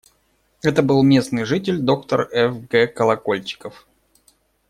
Это был местный житель, доктор Ф. Г. Колокольчиков.